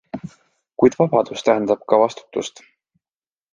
Kuid vabadus tähendab ka vastutust.